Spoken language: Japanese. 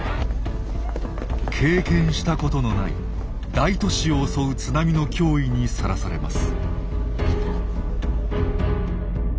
経験したことのない大都市を襲う津波の脅威にさらされます。